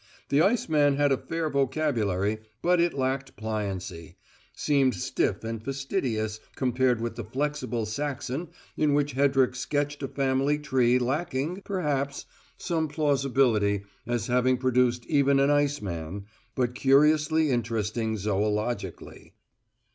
The ice man had a fair vocabulary, but it lacked pliancy; seemed stiff and fastidious compared with the flexible Saxon in which Hedrick sketched a family tree lacking, perhaps, some plausibility as having produced even an ice man, but curiously interesting zoologically.